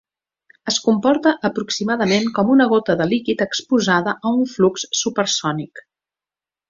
Es comporta aproximadament com una gota de líquid exposada a un flux supersònic.